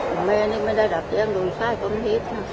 คุณแม่นี่ไม่ได้ดับเตี๊ยงโดยทรายตรงนี้นะ